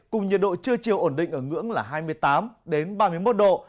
cùng nhiệt độ trưa chiều ổn định ở ngưỡng là hai mươi tám ba mươi một độ